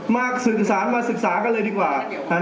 มาศึกษามาศึกษากันเลยดีกว่า